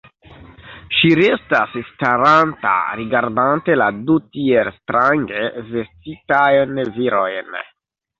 Ŝi restas staranta, rigardante la du tiel strange vestitajn virojn.